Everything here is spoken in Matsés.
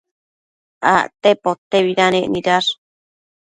Acte potebidanec nidash